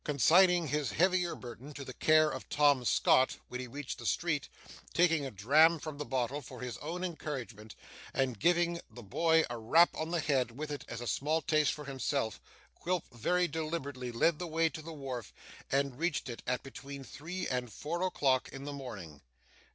Consigning his heavier burden to the care of Tom Scott when he reached the street, taking a dram from the bottle for his own encouragement, and giving the boy a rap on the head with it as a small taste for himself, Quilp very deliberately led the way to the wharf, and reached it at between three and four o'clock in the morning.